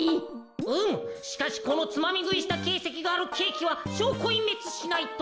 うんしかしこのつまみぐいしたけいせきがあるケーキはしょうこいんめつしないと。